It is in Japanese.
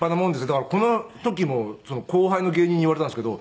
だからこの時も後輩の芸人に言われたんですけど。